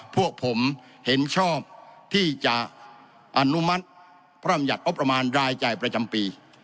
พวกผมเห็นชอบที่จะอนุมัติพรบรรยัตภ์โอปรมาณรายใจประจำปี